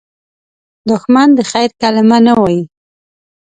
دښمن د خیر کلمه نه وايي